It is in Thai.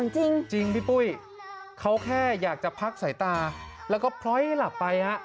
จริงรุกเยี่ยมพี่ปุ้ยเขาแค่อยากจะพักใส่ตาแล้วก็พร้อยหลับไป